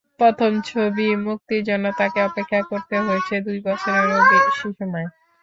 প্রথম ছবি মুক্তির জন্য তাঁকে অপেক্ষা করতে হয়েছে দুই বছরেরও বেশি সময়।